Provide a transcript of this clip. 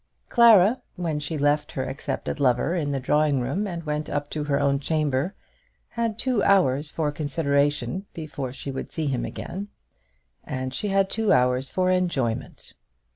Clara, when she left her accepted lover in the drawing room and went up to her own chamber, had two hours for consideration before she would see him again; and she had two hours for enjoyment.